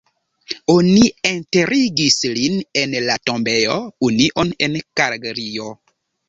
Oni enterigis lin en la Tombejo Union en Kalgario.